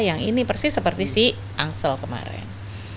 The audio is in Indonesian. yang ini persis seperti si angsel kemarin